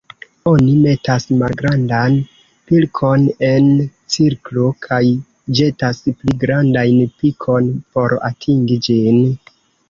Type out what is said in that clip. Oni metas malgrandan pilkon en cirklo kaj ĵetas pli grandajn pilkon por atingi ĝin.